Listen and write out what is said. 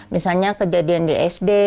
misalnya kejadian di sd